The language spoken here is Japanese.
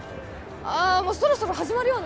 ああもうそろそろ始まるよ